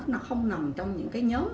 nó không nằm trong những nhóm